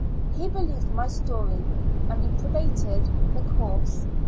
He believed my story and reprobated the course.